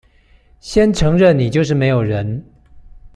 先承認你就是沒有人